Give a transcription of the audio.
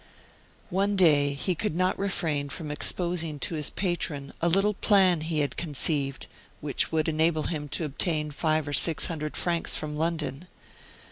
One day he could not refrain from exposing to his patron a little plan he had conceived, which would enable him to obtain five or six hundred francs from London.